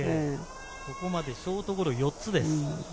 ここまでショートゴロ５つです。